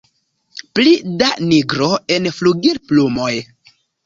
Pli da nigro en flugilplumoj.